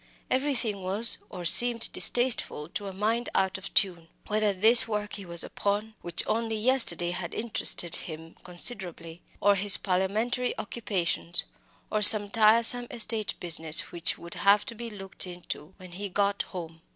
Everything was or seemed distasteful to a mind out of tune whether this work he was upon, which only yesterday had interested him considerably, or his Parliamentary occupations, or some tiresome estate business which would have to be looked into when he got home.